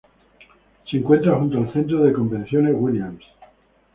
Se encuentra junto al Centro de convenciones Williams.